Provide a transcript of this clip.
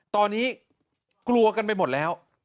ตอนนี้กลัวกันไปหมดแล้ว